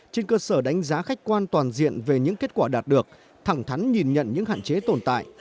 trên cơ sở đánh giá khách quan toàn diện về những kết quả đạt được thẳng thắn nhìn nhận những hạn chế tồn tại